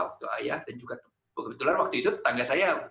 waktu ayah dan juga kebetulan waktu itu tetangga saya